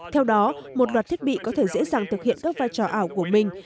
theo đó một loạt thiết bị có thể dễ dàng thực hiện các vai trò ảo của mình